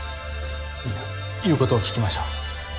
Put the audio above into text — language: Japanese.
みんな言うことを聞きましょう。